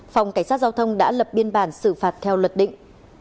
phòng cảnh sát giao thông đã lập biên bản xử phạt theo luật định